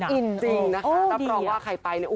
ถ้าบอกว่าใครไปเนี่ยโอ้โหสูตรซาสต์ติดอกติดใจแน่นอนค่ะ